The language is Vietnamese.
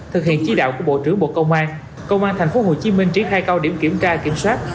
thực hiện chi đạo của bộ trưởng bộ công an công an tp hcm triển khai cao điểm kiểm tra kiểm soát